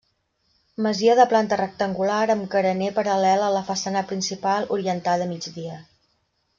Masia de planta rectangular amb carener paral·lel a la façana principal, orientada a migdia.